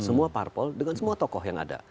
semua parpol dengan semua tokoh yang ada